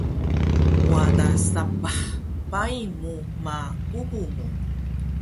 wada sapah pai mu ma bubu mu